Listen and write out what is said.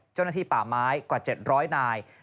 เจ้าหน้าที่ป่าไม้กว่า๗๐๐นาย